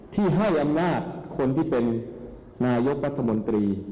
ที่ให้อำนาจคนที่เป็นนายกรัฐมนตรี